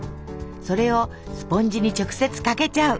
それをスポンジに直接かけちゃう！